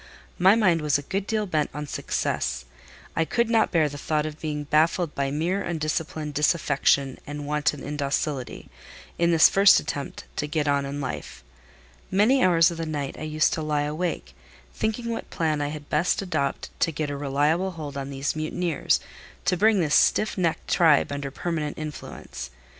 My mind was a good deal bent on success: I could not bear the thought of being baffled by mere undisciplined disaffection and wanton indocility, in this first attempt to get on in life. Many hours of the night I used to lie awake, thinking what plan I had best adopt to get a reliable hold on these mutineers, to bring this stiff necked tribe under permanent influence.